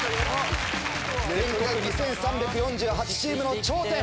全国２３４８チームの頂点。